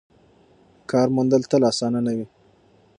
کار موندل تل اسانه نه وي.